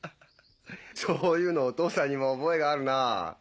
そういうのお父さんにも覚えがあるなぁ。